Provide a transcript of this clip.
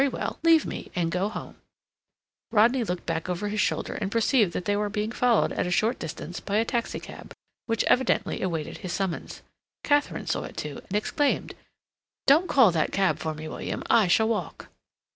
"Very well. Leave me and go home." Rodney looked back over his shoulder and perceived that they were being followed at a short distance by a taxicab, which evidently awaited his summons. Katharine saw it, too, and exclaimed: "Don't call that cab for me, William. I shall walk."